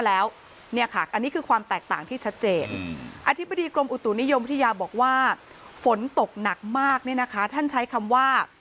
อันนี้คือความแตกต่างที่ชัดเจนอธิบดีกรมอุตุนิยมวิทยาบอกว่าฝนตกหนักมากเนี่ยนะคะท่านใช้คำว่า